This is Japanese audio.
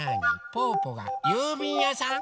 ぽぅぽがゆうびんやさん？